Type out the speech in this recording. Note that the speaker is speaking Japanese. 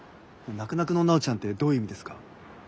「なくなくの奈緒ちゃん」ってどういう意味ですか？